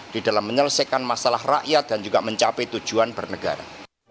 di dalam menyelesaikan masalah rakyat dan juga mencapai tujuan bernegara